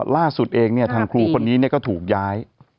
ล่าสุดเองทางครูคนนี้ก็ถูกย้าย